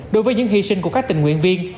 đối với những hy sinh của các tình nguyện viên